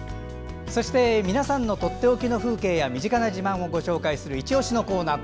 そして皆さんのとっておきの風景や身近な自慢をご紹介するいちオシのコーナー。